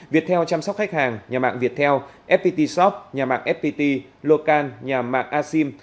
viettel chăm sóc khách hàng nhà mạng viettel fpt shop nhà mạng fpt locan nhà mạc asim